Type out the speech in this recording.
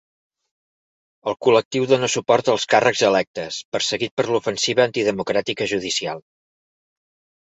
El col·lectiu dona suport als càrrecs electes perseguit per l'ofensiva antidemocràtica judicial.